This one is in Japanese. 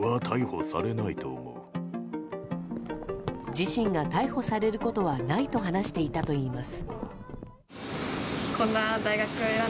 自身が逮捕されることはないと話していたといいます。